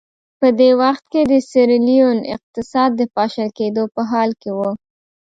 په دې وخت کې د سیریلیون اقتصاد د پاشل کېدو په حال کې و.